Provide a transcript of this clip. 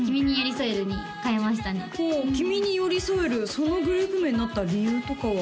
そのグループ名になった理由とかは？